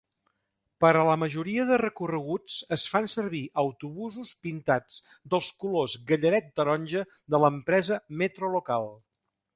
Per a la majoria de recorreguts es fan servir autobusos pintats dels colors gallaret-taronja de l'empresa Metro Local.